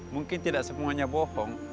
mungkin tidak semuanya bohong